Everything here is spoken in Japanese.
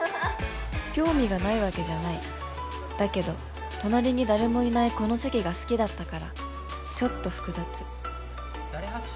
興味がないわけじゃないだけど隣に誰もいないこの席が好きだったからちょっと複雑誰発信？